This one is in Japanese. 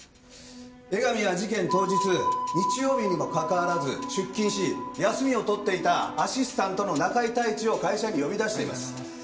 江上は事件当日日曜日にもかかわらず出勤し休みを取っていたアシスタントの中井太一を会社に呼び出しています。